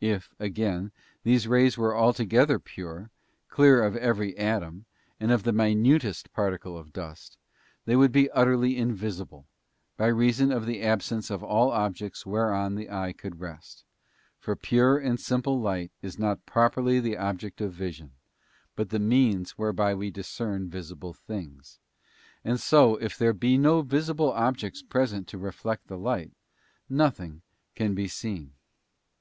If, again, these rays were altogether pure, clear of every atom, and of the minutest particle of dust, they would be utterly invisible, by reason of the absence of all objects whereon the eye could rest; for pure and simple light is not properly the object of vision, but the means whereby we discern visible things; and so, if there be no visible objects present to reflect the light, nothing can be seen.